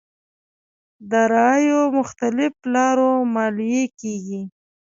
داراییو مختلف لارو ماليې کېږي.